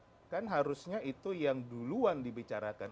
karena kan ini harusnya yang duluan dibicarakan